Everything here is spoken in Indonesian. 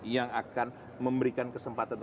yang akan memberikan kesempatan